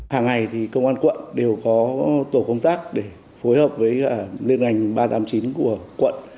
hàng ngày thì công an quận đều có tổ công tác để phối hợp với liên ngành ba trăm tám mươi chín của quận